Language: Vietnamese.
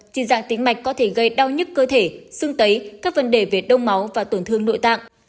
trên dạng tính mạch có thể gây đau nhức cơ thể xương tấy các vấn đề về đông máu và tổn thương nội tạng